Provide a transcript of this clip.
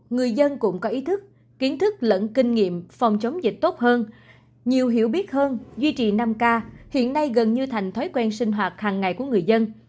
người dân cũng có ý thức kiến thức lẫn kinh nghiệm phòng chống dịch tốt hơn nhiều hiểu biết hơn duy trì năm k hiện nay gần như thành thói quen sinh hoạt hàng ngày của người dân